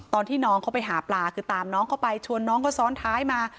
ตอนที่น้องเขาไปหาปลาคือตามน้องเข้าไปชวนน้องเขาซ้อนท้ายมา